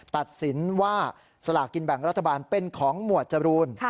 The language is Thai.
ตัดสินว่าสลากกินแบ่งรัฐบาลเป็นของหมวดจรูน